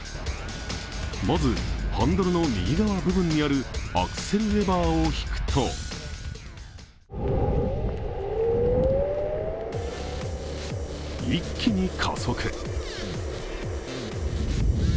まず、ハンドルの右側部分にあるアクセルレバーを引くと一気に加速。